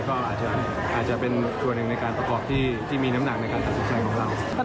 ก็อาจจะเป็นส่วนหนึ่งในการประกอบที่มีน้ำหนักในการตัดสินใจของเรา